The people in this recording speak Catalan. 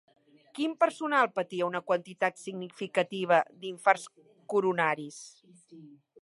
Quin personal patia una quantitat significativa d'infarts coronaris?